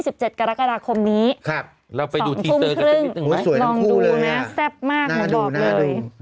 ครับสองทุ่มครึ่งรู้สวยทั้งคู่เลยอะหน้าดูหน้าดูเราไปดูทีเซอร์กันนิดนึงไหมลองดูนะแซ่บมากผมบอกเลย